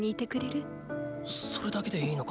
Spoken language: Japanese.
それだけでいいのか？